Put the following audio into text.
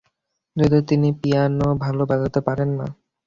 যদিও তিনি পিয়ানো ভালো বাজাতে পারেন না।